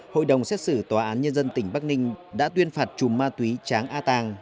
hội đồng xét xử tòa án nhân dân tỉnh bắc ninh đã tuyên phạt trùm ma túy tráng a tang